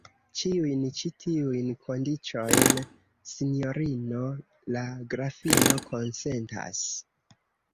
Ĉiujn ĉi tiujn kondiĉojn sinjorino la grafino konsentas.